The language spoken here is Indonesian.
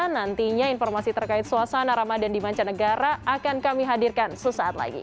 nantinya informasi terkait suasana ramadan di mancanegara akan kami hadirkan sesaat lagi